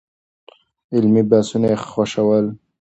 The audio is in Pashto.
علمي بحثونه يې خوښول.